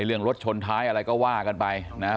เรื่องรถชนท้ายอะไรก็ว่ากันไปนะครับ